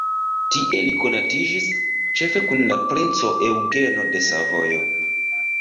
Tie li konatiĝis, ĉefe kun la princo Eŭgeno de Savojo.